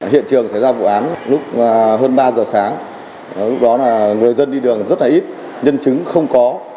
hiện trường xảy ra vụ án lúc hơn ba giờ sáng lúc đó là người dân đi đường rất là ít nhân chứng không có